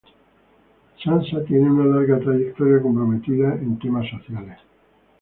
Sansa tiene una larga trayectoria comprometida en temas sociales.